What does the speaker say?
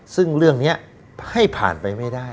ซึ่งเรื่องนี้ให้ผ่านไปไม่ได้